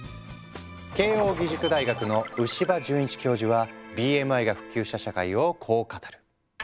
慶應義塾大学の牛場潤一教授はＢＭＩが普及した社会をこう語る。